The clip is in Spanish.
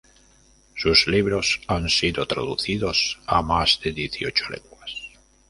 Sus libros han sido traducidos a más de dieciocho lenguas.